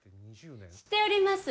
知っております。